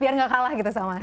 biar gak kalah gitu sama